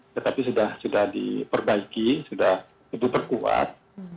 tetapi sudah diperbaiki sudah diperkuat